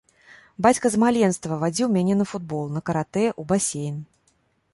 Бацька з маленства вадзіў мяне на футбол, на каратэ, у басейн.